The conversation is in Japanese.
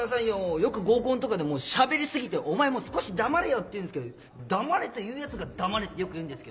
よく合コンとかでもしゃべりすぎてお前も少し黙れよって言うんすけど黙れと言うヤツが黙れってよく言うんすけどね。